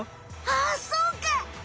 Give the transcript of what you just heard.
あそうか！